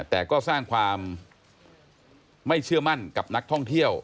แต่ก็สร้างความไม่เชื่อมั่นกับนักท่องเที่ยว